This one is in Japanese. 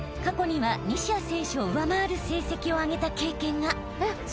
過去には西矢選手を上回る成績を上げた経験が］